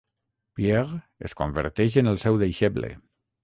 Pierre es converteix en el seu deixeble.